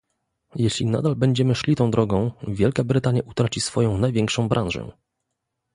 Jeśli nadal będziemy szli tą drogą, Wielka Brytania utraci swoją największą branżę